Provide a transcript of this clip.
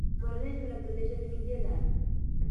مورنۍ ژبه له پردۍ ژبې نږدې ده.